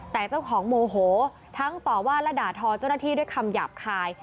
แต่เจ้าของโมโหทั้งต่อว่าและด่าทอเจ้าหน้าที่ด้วยคำหยาบคาย